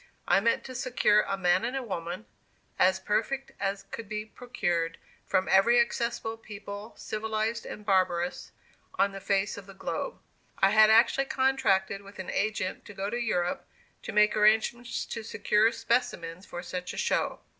I meant to secure a man and woman, as perfect as could be procured, from every accessible people, civilized and barbarous, on the face of the globe. I had actually contracted with an agent to go to Europe to make arrangements to secure "specimens" for such a show.